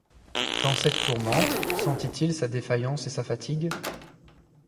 Dans cette tourmente, sentit-il sa défaillance et sa fatigue?